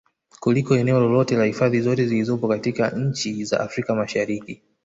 Kuliko eneo lolote la hifadhi zote zilizopo katika nchi za Afrika Mashariki